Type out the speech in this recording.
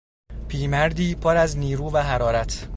پیرمردی پر از نیرو و حرارت